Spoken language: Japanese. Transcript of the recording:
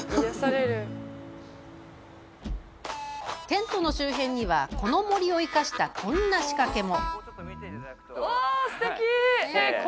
テントの周辺にはこの森を生かしたこんな仕掛けも。